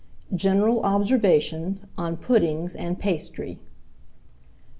GENERAL OBSERVATIONS ON PUDDINGS AND PASTRY.